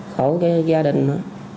khổ cho gia đình nữa